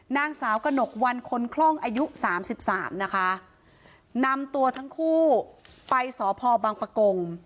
นางสาวกระหนกวันคนคล่องอายุสามสิบสามนะคะนำตัวทั้งคู่ไปสพบังปะกง